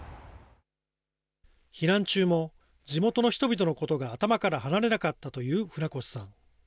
避難中も地元の人々のことが頭から離れなかったという船越さん。